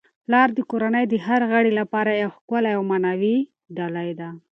پلار د کورنی د هر غړي لپاره یو ښکلی او معنوي ډالۍ ده.